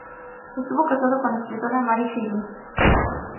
Estuvo casado con la escritora Mary Shelley.